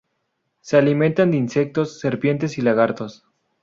Se alimentan de insectos, serpientes y lagartos.